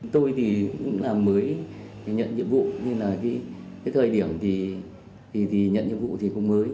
tôi thì cũng là mới nhận nhiệm vụ nên là cái thời điểm thì nhận nhiệm vụ thì cũng mới